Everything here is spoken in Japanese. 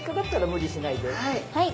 はい。